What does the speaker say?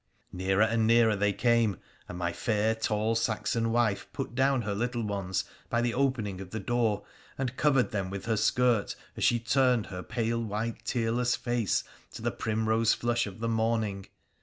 Nearer and nearer they came, and my fair, tall Saxon wife put down her little ones by the opening of the door and covered them with her skirt as she turned her pale, white, tearless face to the primrose flush of the morning.